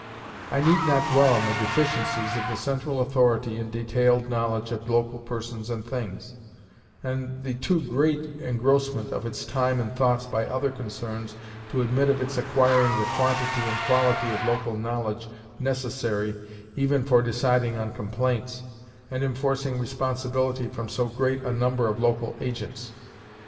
I need not dwell on the deficiencies of the central authority in detailed knowledge of local persons and things, and the too great engrossment of its time and thoughts by other concerns to admit of its acquiring the quantity and quality of local knowledge necessary even for deciding on complaints, and enforcing responsibility from so great a number of local agents.